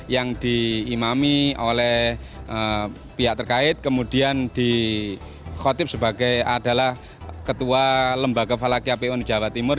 yang diimami oleh pihak terkait kemudian dikhotib sebagai adalah ketua lembaga falakiapo di jawa timur